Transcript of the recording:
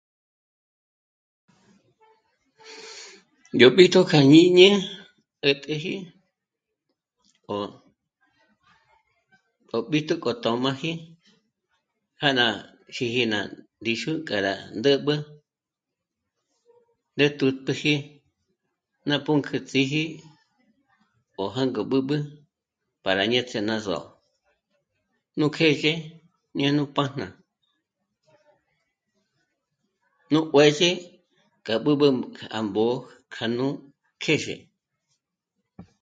Yó b'íjtu kjá jñǐñi ä̀täji o... o b'íjtu k'o tö̌m'aji já ná jíje ná ndíxu k'a rá ndä̀b'ü ndé tùtpuji ná pǔnkü ts'íji o jângo b'ǚb'ü pára ñěts'e ná só'o, nú kë́jë dya nú pàjna nú juë̌zhi kjá b'ǚb'ü kja mbô kjá nú kèzhe